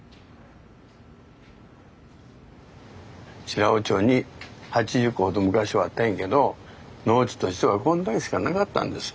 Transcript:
白王町に８０戸ほど昔はあったんやけど農地としてはこんだけしかなかったんです。